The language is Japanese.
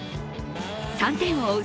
３点を追う